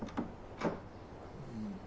・うん。